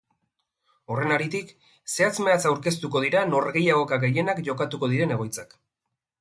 Horren haritik, zehatz-mehatz aurkeztuko dira norgehiagoka gehienak jokatuko diren egoitzak.